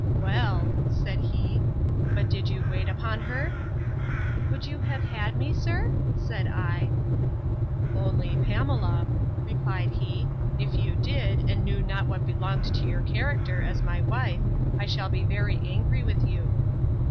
Well, said he, but did you wait upon her? Would you have had me, sir? said I.—Only, Pamela, replied he, if you did, and knew not what belonged to your character, as my wife, I shall be very angry with you.